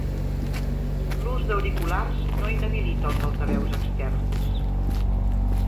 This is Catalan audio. L'ús d'auriculars no inhabilita els altaveus externs.